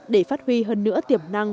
để phát huy hơn nữa tiềm năng